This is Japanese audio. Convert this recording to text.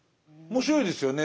面白いですよね。